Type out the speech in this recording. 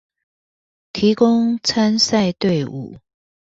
提供參賽隊伍